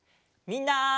みんな！